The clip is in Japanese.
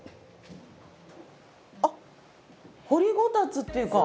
あっ掘りごたつっていうか。